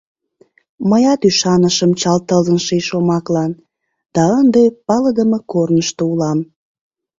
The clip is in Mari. Мыят ӱшанышым чал тылзын ший шомаклан Да ынде палыдыме корнышто улам.